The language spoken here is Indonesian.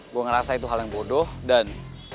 gue ngerasa itu hal yang bodoh dan